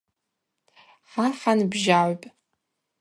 Хӏа хӏанбжьагӏвпӏ.